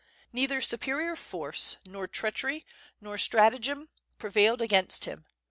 Neither superior force, nor treachery, nor stratagem, prevailed against him.